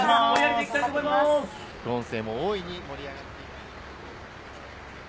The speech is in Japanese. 副音声も大いに盛り上がっています。